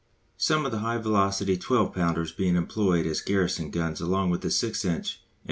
Some of the high velocity 12 pounders being employed as garrison guns along with 6 inch and 4.